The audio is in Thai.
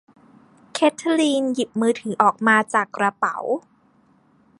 เคทลีนหยิบมือถือออกมาจากกระเป๋า